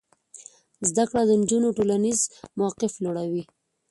زده کړه د نجونو ټولنیز موقف لوړوي.